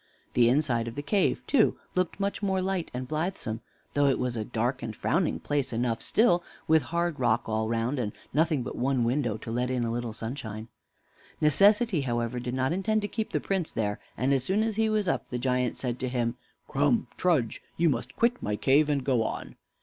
The inside of the cave, too, looked much more light and blithesome, though it was a dark and frowning place enough still, with hard rock all round, and nothing but one window to let in a little sunshine. Necessity, however, did not intend to keep the Prince there, and as soon as he was up the giant said to him: "Come, trudge; you must quit my cave, and go on."